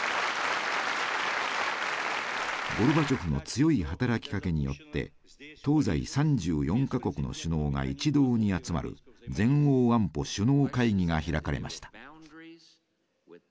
ゴルバチョフの強い働きかけによって東西３４か国の首脳が一堂に集まる全欧安保首脳会議が開かれました。